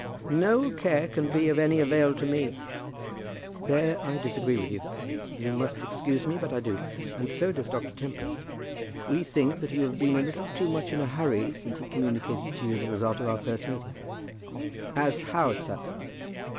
"No care can be of any avail to me." "There I disagree with you. You must excuse me, but I do; and so does Dr. Tempest. We think that you have been a little too much in a hurry since he communicated to you the result of our first meeting." "As how, sir?"